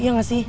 iya gak sih